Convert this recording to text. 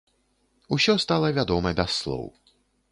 Усё стала вядома без слоў.